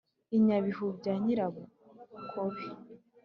i nyabihu bya nyirarukobe